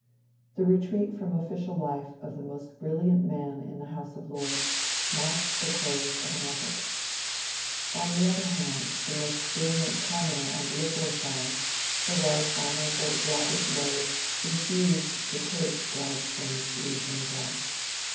The retreat from official life of the most brilliant man in the House of Lords marked the close of an epoch. On the other hand, the most brilliant commoner on the Liberal side, the Right Hon. Robert Lowe, refused to take Gladstone's ^ leap in the dark."